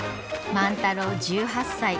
万太郎１８歳。